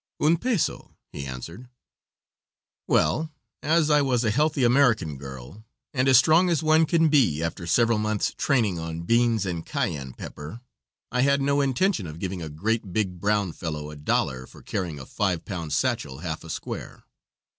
"Un peso," he answered. Well, as I was a healthy American girl, and as strong as one can be after several months' training on beans and cayenne pepper, I had no intention of giving a great, big, brown fellow $1 for carrying a five pound sachel half a square.